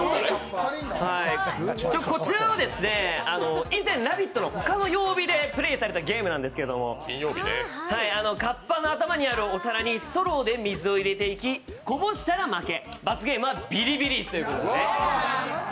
こちらは以前、「ラヴィット！」の他の曜日でプレーされたゲームなんですけど、かっぱの頭にあるお皿にストローで水を入れていき、こぼしたら負け、罰ゲームはビリビリということでね。